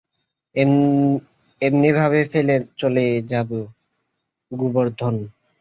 এমনিভাবে ফেলে রেখে চলে যাব গোবর্ধন?